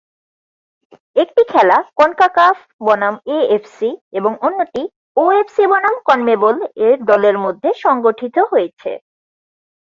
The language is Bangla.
একটি খেলা কনকাকাফ বনাম এএফসি এবং অন্যটি ওএফসি বনাম কনমেবল-এর দলের মধ্যে সংগঠিত হয়েছে।